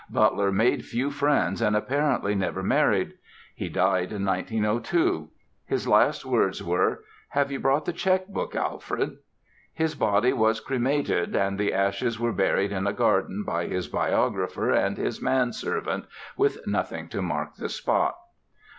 Butler made few friends and apparently never married. He died in 1902. His last words were: "Have you brought the cheque book, Alfred?" His body was cremated and the ashes were buried in a garden by his biographer and his man servant, with nothing to mark the spot.